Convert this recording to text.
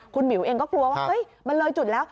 คุณหมิวเองก็กลัวว่าเฮ้ยมันเลยจุดแล้ว